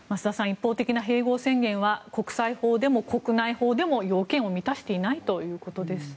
一方的な併合宣言は国際法でも国内法でも要件を満たしていないということです。